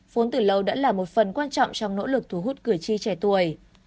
vốn từ lâu đã là một phần quan trọng trong nỗ lực thu hút cử tri trẻ tuổi